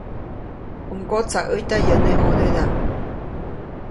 U mgotsaʼätya yäʼ neʼ ʼõdedaʼm.